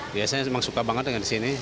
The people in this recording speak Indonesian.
biasanya emang suka banget dengan di sini